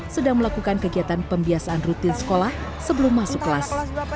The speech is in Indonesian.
sedang melakukan kegiatan pembiasaan rutin sekolah sebelum masuk kelas